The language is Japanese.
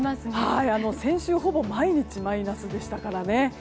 先週、ほぼ毎日マイナスでしたからね。